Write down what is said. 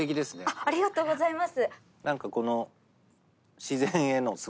ありがとうございます！